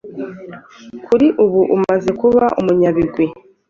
kuri ubu umaze kuba umunyabigwi